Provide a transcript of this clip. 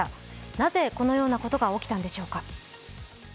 なぜ、このようなことが起きたのでしょうか。